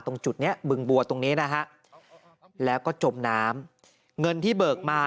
ตรงจุดเนี้ยบึงบัวตรงนี้นะฮะแล้วก็จมน้ำเงินที่เบิกมา